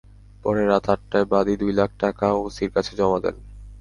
পরে রাত আটটায় বাদী দুই লাখ টাকা ওসির কাছে জমা দেন।